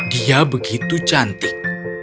dia begitu cantik